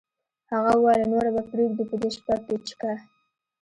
هغه وویل نوره به پرېږدو په دې شپه پیچکه